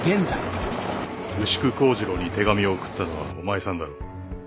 牛久幸次郎に手紙を送ったのはお前さんだろ？